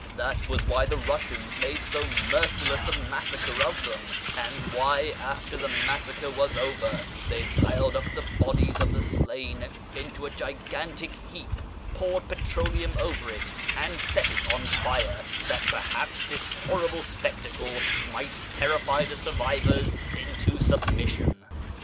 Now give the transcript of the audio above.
That was why the liussians made so merciless a massacre of them, and why, after the massacre was over, they piled up the bodies of the slain into a gigantic heap, poured petroleum over it, and set it on fire, that perhaps this horrible spectacle might terrify the survivors into submission."